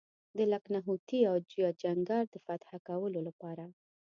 د لکهنوتي او جاجینګر د فتح کولو لپاره.